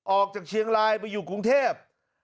ออกจากเชียงรายไปอยู่กรุงเทพ